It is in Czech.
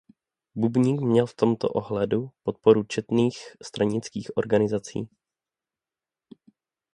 Bubník měl v tomto ohledu podporu četných stranických organizací.